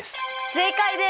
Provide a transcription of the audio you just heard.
正解です！